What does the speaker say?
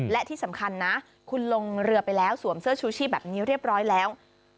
และที่สำคัญนะคุณลงเรือไปแล้วสวมเสื้อชูชีพแบบนี้เรียบร้อยแล้ว